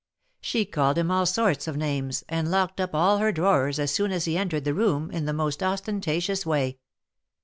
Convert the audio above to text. She called him all sorts of names, and locked up all her drawers as soon as he entered the room, in the most ostentatious way.